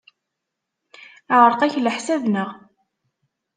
Yeɛreq-ak leḥsab, naɣ?